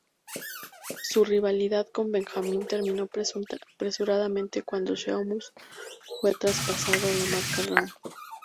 Su rivalidad con Benjamin terminó prematuramente cuando Sheamus fue traspasado a la marca Raw.